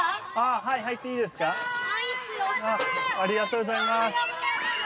ありがとうございます。